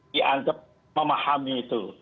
dianggap memahami itu